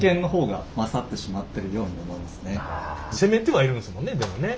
攻めてはいるんですもんねでもね。